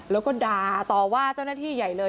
แล้วก็ด่าต่อว่าเจ้าหน้าที่ใหญ่เลย